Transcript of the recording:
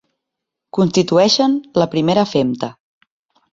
Constitueixen la primera femta.